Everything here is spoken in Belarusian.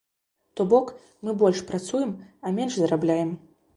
То бок, мы больш працуем, а менш зарабляем.